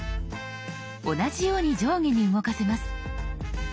同じように上下に動かせます。